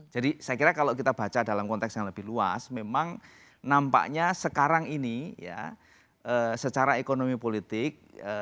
jadi saya kira kalau kita baca dalam konteks yang lebih luas memang nampaknya sekarang ini ya secara ekonomi politik